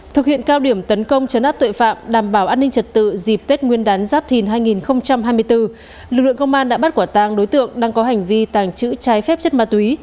thực hiện cao điểm tấn công chấn áp tội phạm đảm bảo an ninh trật tự dịp tết nguyên đán giáp thìn hai nghìn hai mươi bốn lực lượng công an đã bắt quả tàng đối tượng đang có hành vi tàng trữ trái phép chất ma túy